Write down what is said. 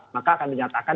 maka akan dinyatakan